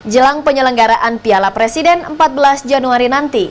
jelang penyelenggaraan piala presiden empat belas januari nanti